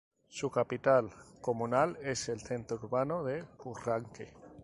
Su capital comunal es el centro urbano de Purranque.